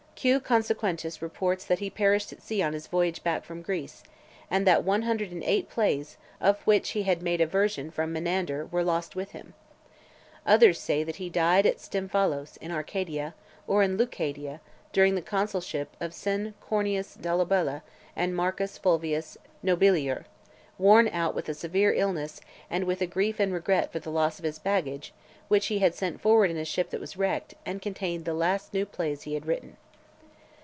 Q. Consentius reports that he perished at sea on his voyage back from Greece, and that one hundred and eight plays, of which he had made a version from Menander , were lost with him. Others say that he died at Stymphalos, in Arcadia, or in Leucadia, during the consulship of Cn. Cornelius Dolabella and Marcus Fulvius Nobilior , worn out with a severe illness, and with grief and regret for the loss of his baggage, which he had sent forward in a ship that was wrecked, and contained the last new plays he had written.